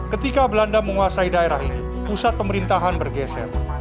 ketika belanda menguasai daerah ini pusat pemerintahan bergeser